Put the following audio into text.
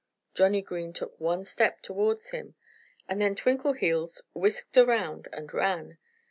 Johnnie Green took one step towards him. And then Twinkleheels whisked around and ran.